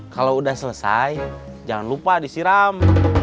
kalau udah selesai jangan lupa disiram